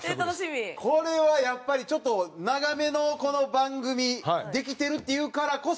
これはやっぱりちょっと長めのこの番組できてるっていうからこそ。